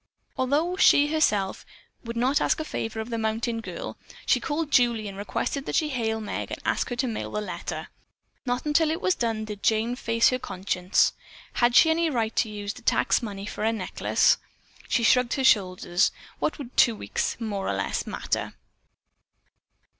Although she herself would not ask a favor of the mountain girl, she called Julie and requested that she hail Meg and ask her to mail the letter. Not until it was done did Jane face her conscience. Had she any right to use the tax money for a necklace? She shrugged her shoulders. What would two weeks more or less matter?